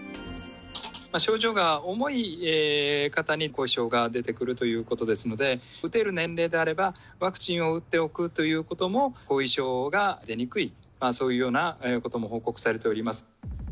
症状が重い方に後遺症が出てくるということですので、打てる年齢であれば、ワクチンを打っておくということも、後遺症が出にくい、そういうようなことも報告されております。